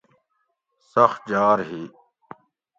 سخت جار ہی